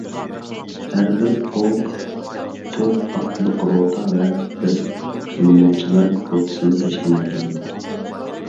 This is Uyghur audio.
ھەربىر پولك تۆت ئاتلىق روتا ۋە بىر پىلىموتچىلار روتىسىدىن تەشكىللەنگەن ئىدى.